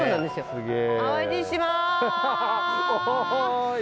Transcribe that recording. すげえ！